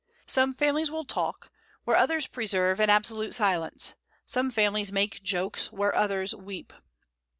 Some families will talk where others preserve an absolute silence, some families make jokes where others weep.